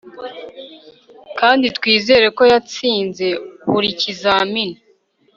kandi twizere ko yatsinze buri kizamini